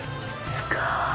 すごい。